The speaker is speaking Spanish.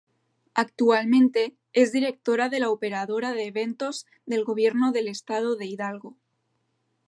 Actualmente es Directora de la Operadora de Eventos del Gobierno del Estado de Hidalgo.